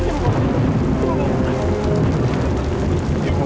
ibu ibu ibu